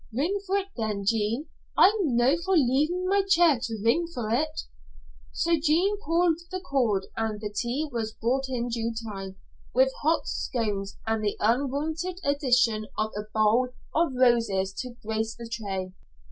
"Ring for it then, Jean. I'm no for leavin' my chair to ring for it." So Jean pulled the cord and the tea was brought in due time, with hot scones and the unwonted addition of a bowl of roses to grace the tray.